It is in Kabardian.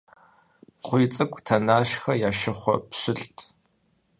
КъуийцӀыкӀу Тэнащхэ я шыхъуэ пщылӀт.